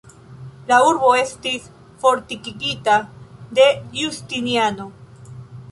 La urbo estis fortikigita de Justiniano.